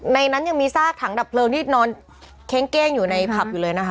นั้นยังมีซากถังดับเพลิงที่นอนเค้งเก้งอยู่ในผับอยู่เลยนะคะ